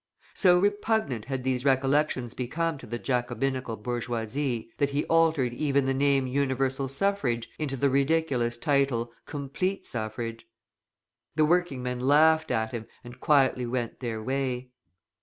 So repugnant had these recollections become to the Jacobinical bourgeoisie, that he altered even the name Universal Suffrage into the ridiculous title, Complete Suffrage. The working men laughed at him and quietly went their way.